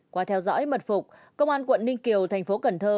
qua theo dõi mật phục công an quận ninh kiều thành phố cần thơ